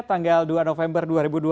tanggal dua november dua ribu dua puluh